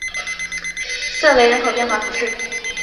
瑟雷人口变化图示